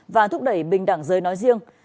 và thúc đẩy bình đẳng giới nói riêng